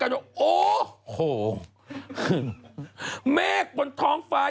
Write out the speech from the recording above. ย้ำ